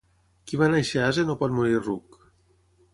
Qui va néixer ase no pot morir ruc.